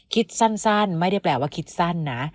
คิดสั้นไม่ได้แปลว่าคิดสั้นนะ